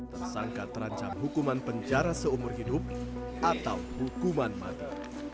tersangka terancam hukuman penjara seumur hidup atau hukuman mati